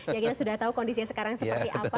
ya kita sudah tahu kondisinya sekarang seperti apa